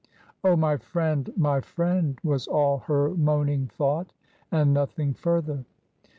"Oh my friend! my friend!" was all her moaning thought and nothing further.